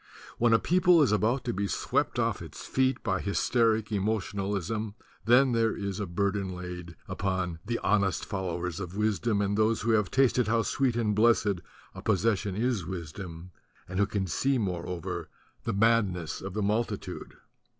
When a people is about to be swept off its feet by hysteric emotionalism then there is a burden laid upon "the honest followers of wisdom and those who have tasted how sweet and blessed a possession is wisdom, and who can see moreover the madness of the multitude."